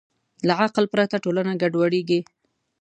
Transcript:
له عقل پرته ټولنه ګډوډېږي.